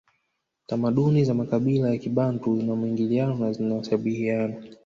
Tamaduni za makabila ya kibantu zina mwingiliano na zinashabihiana